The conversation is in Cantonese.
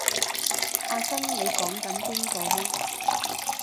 阿生你講緊邊個呢？